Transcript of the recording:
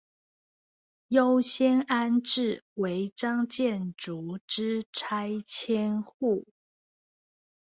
優先安置違章建築之拆遷戶